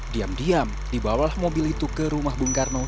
diam diam dibawah mobil itu ke rumah bung karno